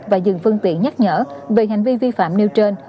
và dừng phương tiện nhắc nhở về hành vi vi phạm nêu trên